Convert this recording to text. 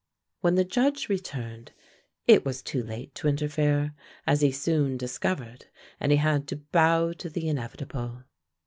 When the Judge returned it was too late to interfere, as he soon discovered, and he had to bow to the inevitable.